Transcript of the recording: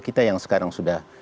kita yang sekarang sudah